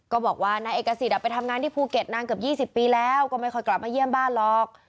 ก็บอกว่านายเอกสิทธิ์ไปทำงานที่ภูเก็ตนานเกือบ๒๐ปีแล้วก็ไม่ค่อยกลับมาเยี่ยมบ้านหรอก